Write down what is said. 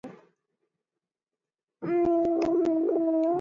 Нээрээ тэгэхэд би энэ Санжийг авчрах гэж тэдний хотод очсон юм байна.